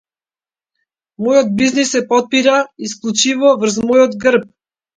Мојот бизнис се потпира исклучиво врз мојот грб.